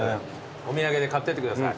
お土産で買ってってください。